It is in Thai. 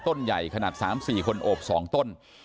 ต้นใหญ่ขนาดสามสี่คนโอบสองต้น